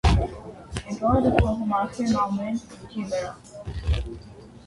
Էդուարդը փակում է աչքերն ամեն ինչի վրա։